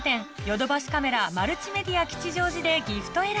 「ヨドバシカメラマルチメディア吉祥寺」でギフト選